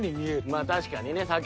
まあ確かにね